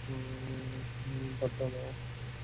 বাদ দেও, মা?